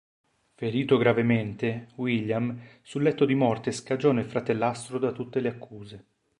Ferito gravemente, William, sul letto di morte scagiona il fratellastro da tutte le accuse.